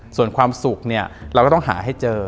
ส่วนความสุขเนี่ยเราก็ต้องหาให้เจอ